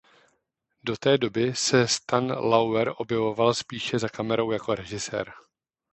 Do té doby se Stan Laurel objevoval spíše za kamerou jako režisér.